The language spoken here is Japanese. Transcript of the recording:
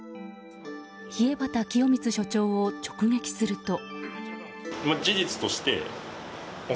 稗畑清光署長を直撃すると。